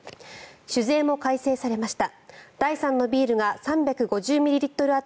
酒税も改正されました。